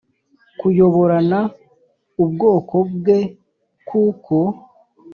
kuyoboran ubwoko bwe kuko